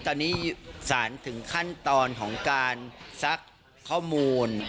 ตอนนี้สารถึงขั้นตอนของการซักข้อมูล